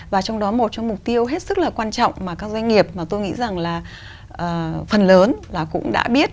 và trong đó một trong mục tiêu hết sức là quan trọng mà các doanh nghiệp mà tôi nghĩ rằng là phần lớn là cũng đã biết